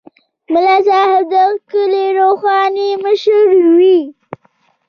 ملا صاحب د کلي روحاني مشر وي.